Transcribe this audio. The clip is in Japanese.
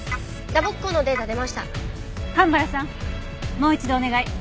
もう一度お願い。